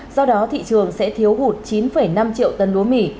do đó thị trường sẽ thiếu hụt chín năm triệu tấn lúa mì